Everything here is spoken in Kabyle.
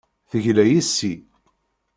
Tegla yes-i.